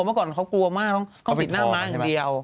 เมื่อก่อนเขากลัวมากต้องติดหน้าม้าอย่างเดียว